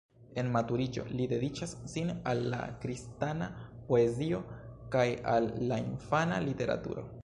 En maturiĝo li dediĉas sin al la kristana poezio kaj al la infana literaturo.